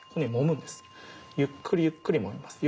ゆっくりゆっくりもんでます。